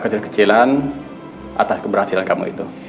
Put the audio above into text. menerbit istri kamu